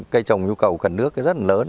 cây trồng nhu cầu cần nước rất là lớn